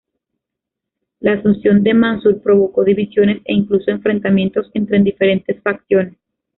La asunción de Mansur provocó divisiones e incluso enfrentamientos entre diferentes facciones.